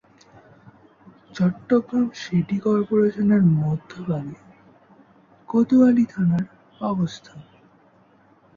Chittagong city কর্পোরেশনের মধ্যভাগে কোতোয়ালী থানার অবস্থান।